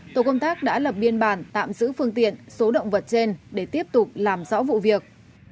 tổ công tác đã lập biên bản tạm giữ phương tiện số động vật trên để tiếp tục làm rõ vụ việc